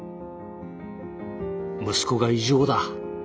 「息子が異常だ」